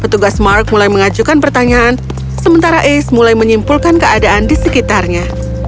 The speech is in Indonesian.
petugas mark mulai mengajukan pertanyaan sementara ace mulai menyimpulkan keadaan di sekitarnya